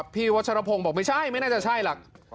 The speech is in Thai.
พี่วัชรพงศ์บอกไม่ใช่ไม่น่าจะใช่หรอก